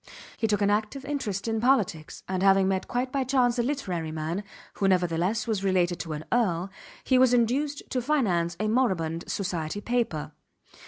He took an active interest in politics; and having met quite by chance a literary man who nevertheless was related to an earl he was induced to finance a moribund society paper.